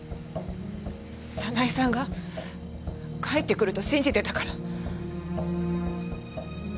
早苗さんが帰ってくると信じてたから。